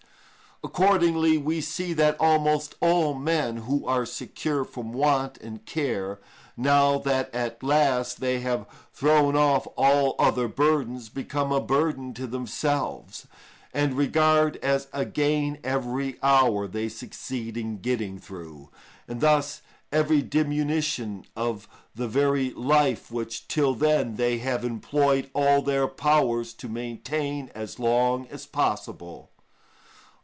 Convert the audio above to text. Accordingly we see that almost all men who are secure from want and care, now that at last they have thrown off all other burdens, become a burden to themselves, and regard as a gain every hour they succeed in getting through; and thus every diminution of the very life which, till then, they have employed all their powers to maintain as long as possible.